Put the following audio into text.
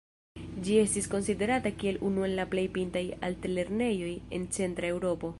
Ĝi estis konsiderata kiel unu el la plej pintaj altlernejoj en Centra Eŭropo.